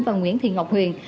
và nguyễn thiên ngọc huyền